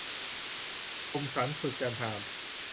คมสันต์ สุดจันทร์ฮาม